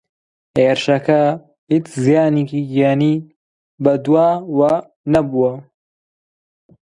هێرشەکە هیچ زیانێکی گیانی بەدواوە نەبووە